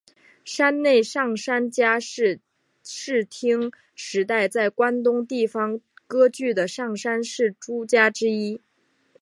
山内上杉家是室町时代在关东地方割据的上杉氏诸家之一。